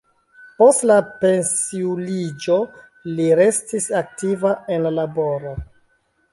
Post la pensiuliĝo li restis aktiva en la laboro.